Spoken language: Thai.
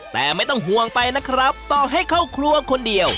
แต่ไม่ต้องห่วงไปนะครับต่อให้เข้าครัวคนเดียว